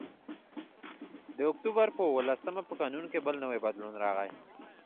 د اکتوبر په اوولسمه په قانون کې بل نوی بدلون راغی